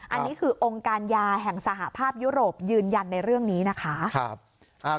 อันนี้คือองค์การยาแห่งสหภาพยุโรปยืนยันในเรื่องนี้นะคะ